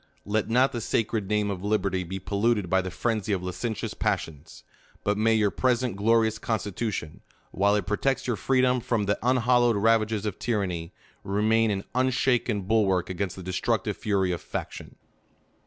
Let not the sacred name of LIBER TY be polluted by the frenzy of licentious pi 'prions; but may your present glorious constitution, while it protects your freedom from the unhallowed ravages of tyranny, remain an unshakea bulwark against the de structive fury of faction.